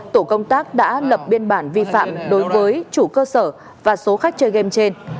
tổ công tác đã lập biên bản vi phạm đối với chủ cơ sở và số khách chơi game trên